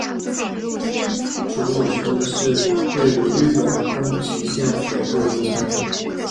诸冢村是位于日本宫崎县北部的一个村。